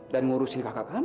dan ngurusin kakak kamu kan